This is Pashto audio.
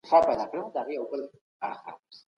ځینې هېوادونه د سرچینو له کمې ستونزي سره مخ دي.